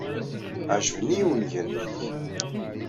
Ɛejben-iyi wungalen-nnek.